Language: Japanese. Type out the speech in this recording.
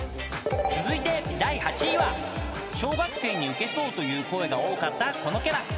［続いて第８位は小学生にウケそうという声が多かったこのキャラ］